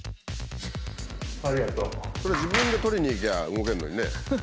これ自分で取りに行きゃ動けるのにね。